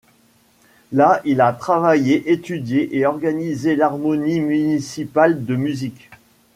Là il a travaillé, étudié et organisé l'harmonie municipale de musique.